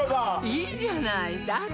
いいじゃないだって